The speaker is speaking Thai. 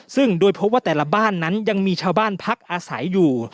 ซึ่งโดยพบว่าแต่ละบ้านนั้นยังมีชาวบ้านพักอาศัยอยู่